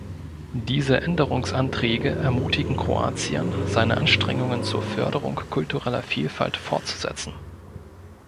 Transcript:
Diese Änderungsanträge ermutigen Kroatien, seine Anstrengungen zur Förderung kultureller Vielfalt fortzusetzen.